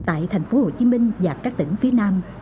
tại tp hcm và các tỉnh phía nam